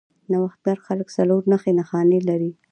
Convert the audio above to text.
نوښتګر خلک څلور نښې نښانې لري.